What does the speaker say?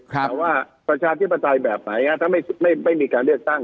แต่ว่าประชาธิปไตยแบบไหนถ้าไม่มีการเลือกตั้ง